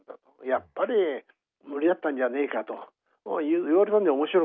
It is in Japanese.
「やっぱり無理だったんじゃねえか」と言われたんじゃ面白くないからね。